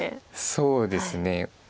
そうですね。